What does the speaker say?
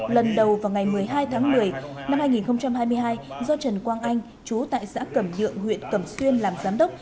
lần đầu vào ngày một mươi hai tháng một mươi năm hai nghìn hai mươi hai do trần quang anh chú tại xã cẩm nhượng huyện cẩm xuyên làm giám đốc